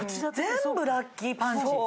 全部ラッキーパンチ。